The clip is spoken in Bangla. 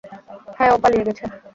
হ্যাঁ, ও পালিয়ে গেছে।